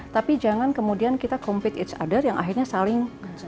tapi jangan kemudian kita compete other yang akhirnya saling